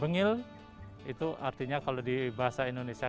bengil itu artinya kalau di bahasa indonesia